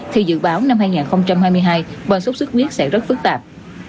thì dự báo năm hai nghìn hai mươi hai bệnh số xuất khuyết sẽ rất phức tạp